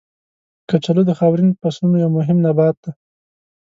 کچالو د خاورین فصلونو یو مهم نبات دی.